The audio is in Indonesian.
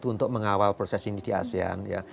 untuk mengawal proses ini di asean ya